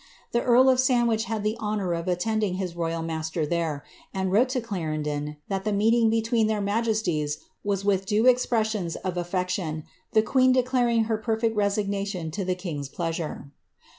The earl of Sandwich had the honour of attending hb royal master there, and wrote to Clarendon that the meet^ ing between their majesties was with due expressions of afiection, the queen declaring her ])erfcct resignation to the king^s pleasure.